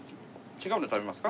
違うのを食べますか？